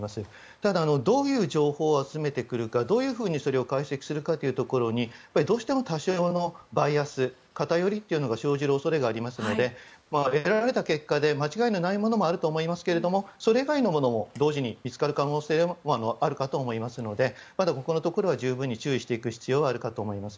ただ、どういう情報を集めてくるかどういうふうにそれを解析するかというところにどうしても多少のバイアス、偏りが生じる恐れがありますので得られた結果で間違いがあるとは思いますけどそれ以外のものも同時に見つかる可能性はあるかと思いますのでまだここのところは十分に注意していく必要があると思います。